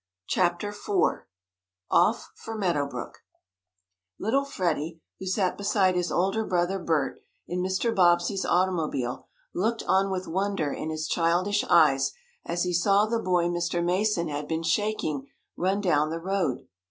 CHAPTER IV OFF FOR MEADOW BROOK Little Freddie, who sat beside his older brother, Bert, in Mr. Bobbsey's automobile, looked on with wonder in his childish eyes, as he saw the boy Mr. Mason had been shaking run down the road.